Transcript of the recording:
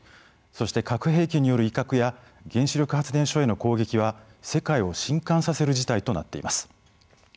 そして、核兵器による威嚇や原子力発電所への攻撃は世界を震かんさせる事態となっています。